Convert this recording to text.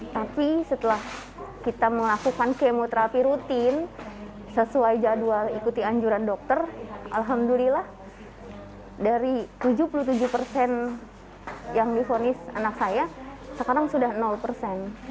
tapi setelah kita melakukan kemoterapi rutin sesuai jadwal ikuti anjuran dokter alhamdulillah dari tujuh puluh tujuh persen yang difonis anak saya sekarang sudah persen